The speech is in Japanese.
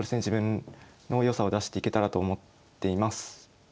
自分の良さを出していけたらと思っています。